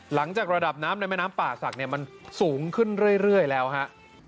หลังจากระดับน้ำในแม่น้ำป่าศักดิ์เนี่ยมันสูงขึ้นเรื่อยแล้วฮะ